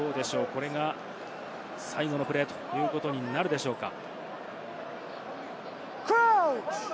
これが最後のプレーということになるでしょうか。